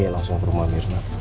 langsung ke rumah mirna